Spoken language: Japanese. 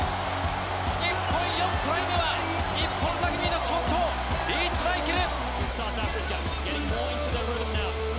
日本４トライ目は日本の象徴、リーチ・マイケル。